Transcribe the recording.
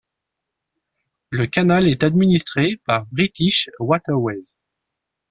Le canal est administré par British Waterways.